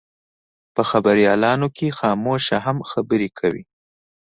په خبریالانو کې خاموشه هم خبرې کوي.